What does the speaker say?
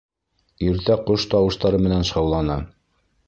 Иртә ҡош тауыштары менән шауланы.